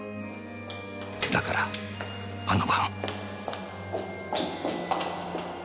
だからあの晩。